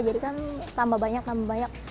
jadi kan tambah banyak tambah banyak